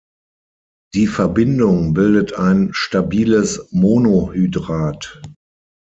Die Verbindung bildet ein stabiles Monohydrat.